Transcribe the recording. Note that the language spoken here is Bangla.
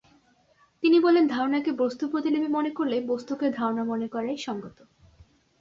তিনি বলেন ধারণাকে বস্তুর প্রতিলিপি মনে করলে বস্তুকে ধারণা মনে করাই সঙ্গত।